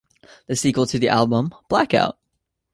The sequel to the album, Blackout!